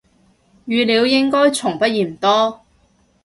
語料應該從不嫌多